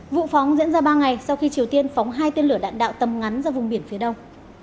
vụ phóng diễn ra ba ngày sau khi triều tiên phóng hai tên lửa đạn đạo tầm ngắn ra vùng biển phía đông